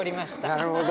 なるほど。